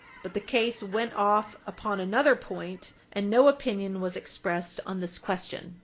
But the case went off upon another point, and no opinion was expressed on this question.